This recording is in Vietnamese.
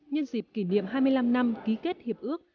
nhân dịp kỷ niệm hai mươi năm năm ký kết hiệp ước